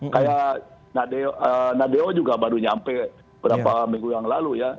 kayak nadeo juga baru nyampe beberapa minggu yang lalu ya